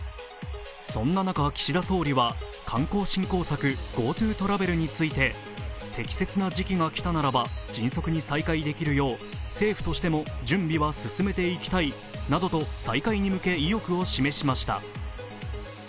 そんな中、岸田総理は観光振興策ＧｏＴｏトラベルについて適切な時期が来たならば迅速に再開できるよう政府としても準備は進めていきたいなどと再開に向け意欲を示しました。